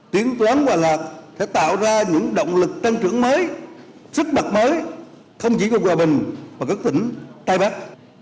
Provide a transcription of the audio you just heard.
tuyến toán quả lợi sẽ tạo ra những động lực tăng trưởng mới sức mặt mới không chỉ của hòa bình mà các tỉnh tây bắc